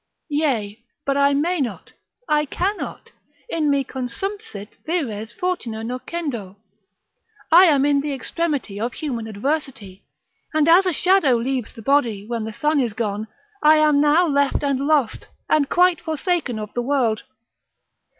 Yea, but I may not, I cannot, In me consumpsit vires fortuna nocendo, I am in the extremity of human adversity; and as a shadow leaves the body when the sun is gone, I am now left and lost, and quite forsaken of the world.